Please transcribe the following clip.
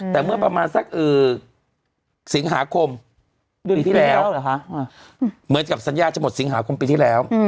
แต่เมื่อประมาณสักสิงหาคมเดือนที่แล้วเหมือนกับสัญญาจะหมดสิงหาคมปีที่แล้ว